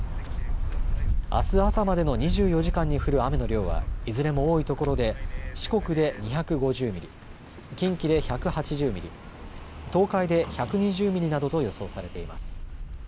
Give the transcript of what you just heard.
あす朝までの２４時間に降る雨の量はいずれも多いところで四国で２５０ミリ、近畿で１８０ミリ、東海で１２０ミリなどと予想されています。